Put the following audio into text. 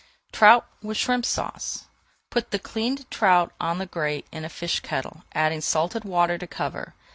TROUT WITH SHRIMP SAUCE Put the cleaned trout on the grate in a fish kettle, adding salted water to cover.